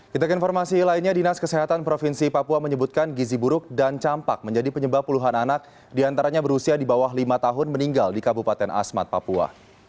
kita ke informasi lainnya dinas kesehatan provinsi papua menyebutkan gizi buruk dan campak menjadi penyebab puluhan anak diantaranya berusia di bawah lima tahun meninggal di kabupaten asmat papua